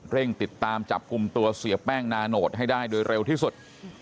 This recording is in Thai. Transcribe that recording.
เร่งติดตามจับกลุ่มตัวเสียแป้งนาโนตให้ได้โดยเร็วที่สุด